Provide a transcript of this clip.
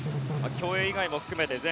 競泳以外も含めて全